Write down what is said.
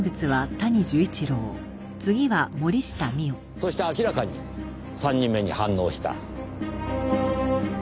そして明らかに３人目に反応した。